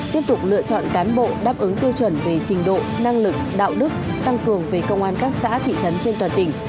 tiếp tục lựa chọn cán bộ đáp ứng tiêu chuẩn về trình độ năng lực đạo đức tăng cường về công an các xã thị trấn trên toàn tỉnh